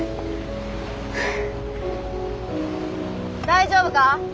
大丈夫か？